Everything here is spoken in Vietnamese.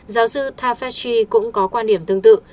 giáo sư tafesi cũng có quan điểm tương tự